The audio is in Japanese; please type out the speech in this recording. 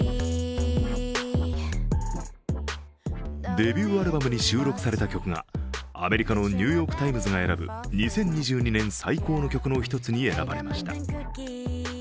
デビューアルバムに収録された曲がアメリカの「ニューヨーク・タイムズ」が選ぶ２０２２年最高の曲の一つに選ばれました。